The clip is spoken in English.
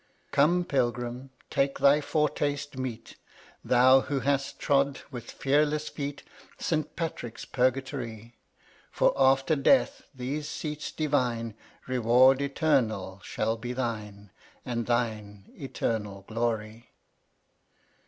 30. " Come, Pilgrim ! take thy foretaste meet, Thou who hast trod with fearless feet St. Patrick's Purgatory ; For after death these seats divine, Reward eternal, shall be thine, And thine eternal glory."